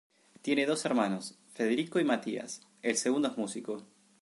Tiene dos hermanos: Federico y Matías, el segundo es músico.